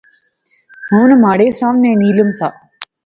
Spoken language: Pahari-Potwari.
ہن مہاڑے ساونے نیلم سا